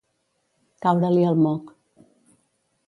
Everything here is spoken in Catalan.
Caure-li el moc.